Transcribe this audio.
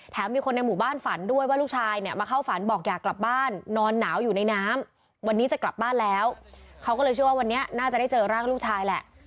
มีคนในหมู่บ้านฝันด้วยว่าลูกชายเนี่ยมาเข้าฝันบอกอยากกลับบ้านนอนหนาวอยู่ในน้ำวันนี้จะกลับบ้านแล้วเขาก็เลยเชื่อว่าวันนี้น่าจะได้เจอร่างลูกชายแหละ